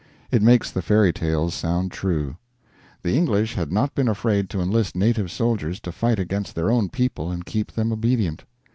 It makes the fairy tales sound true. The English had not been afraid to enlist native soldiers to fight against their own people and keep them obedient.